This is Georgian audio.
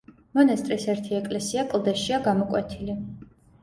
მონასტრის ერთი ეკლესია კლდეშია გამოკვეთილი.